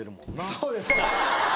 そうです